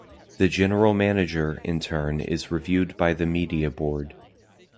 The General Manager in turn is reviewed by the Media Board.